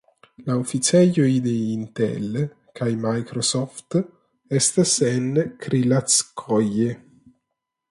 La oficejoj de Intel kaj Microsoft estas en Krilackoje.